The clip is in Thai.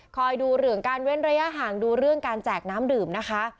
ดูเรื่องการเว้นระยะห่างดูเรื่องการแจกน้ำดื่มนะคะ